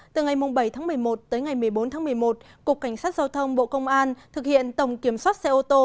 từ ngày bảy tháng một mươi một tới ngày một mươi bốn tháng một mươi một cục cảnh sát giao thông bộ công an thực hiện tổng kiểm soát xe ô tô